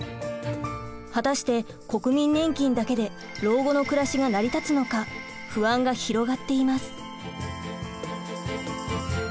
果たして国民年金だけで老後の暮らしが成り立つのか不安が広がっています。